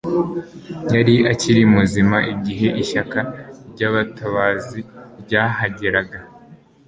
Yari akiri muzima igihe ishyaka ryabatabazi ryahageraga